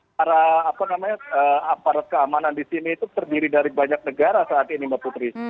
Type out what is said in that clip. para apa namanya aparat keamanan di sini itu terdiri dari banyak negara saat ini mbak putri